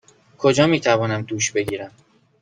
کجا می توانم دوش بگیرم؟